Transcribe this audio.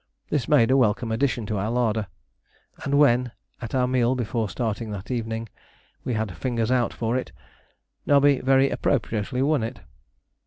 This made a welcome addition to our larder, and when, at our meal before starting that evening, we had "fingers out" for it, Nobby very appropriately won it.